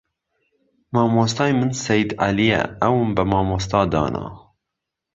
مامۆستای من سەید عەلیە ئەوم بە مامۆستا دانا